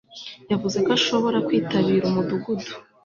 Yavuze ko ashobora kwitabira umudugudu